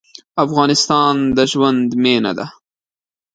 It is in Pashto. افغانستان د ژوند مېنه ده.